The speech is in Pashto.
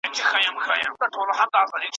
ایا تعلیم ټولنه سموي؟